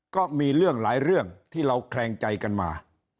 ก็มีเรื่องหลายเรื่องที่เราแคลงใจกันมา